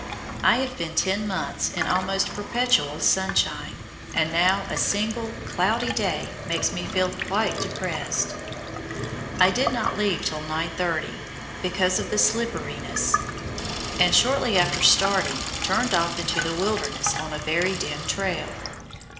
I have been ten months in almost perpetual sunshine, and now a single cloudy day makes me feel quite depressed. I did not leave till 9:30, because of the slipperiness, and shortly after starting turned off into the wilderness on a very dim trail.